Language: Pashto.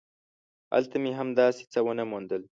هلته مې هم داسې څه ونه موندل.